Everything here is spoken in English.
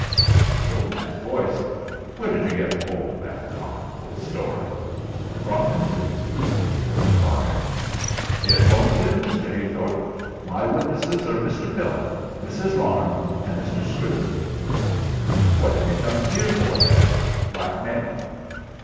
The old man's voice: "Where did you get hold of that cock and bull story?" brought him to his feet before the fire. "It won't do, Mr. Heythorp. My witnesses are Mr. Pillin, Mrs. Larne, and Mr. Scriven." "What have you come here for, then blackmail?"